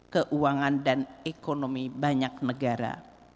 keuangan dan ekonomi banyak negara